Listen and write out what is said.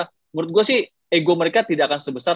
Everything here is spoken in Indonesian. menurut gue sih ego mereka tidak akan sebesar